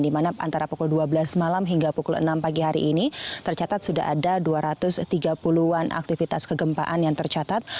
di mana antara pukul dua belas malam hingga pukul enam pagi hari ini tercatat sudah ada dua ratus tiga puluh an aktivitas kegempaan yang tercatat